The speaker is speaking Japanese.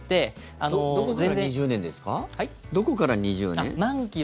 どこから２０年ですか？